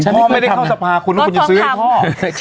ถึงพ่อไม่ได้เข้าสภาคุณต้องซื้อให้พ่อ